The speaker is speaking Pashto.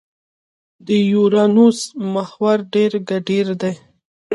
د یورانوس محور ډېر کډېر دی.